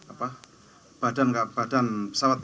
apa badan pesawat